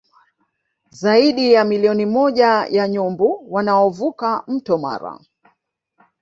Zaidi ya milioni moja ya nyumbu wanaovuka mto Mara